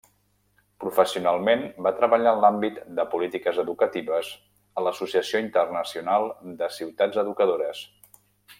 Professionalment va treballar en l'àmbit de polítiques educatives a l'Associació Internacional de Ciutats Educadores.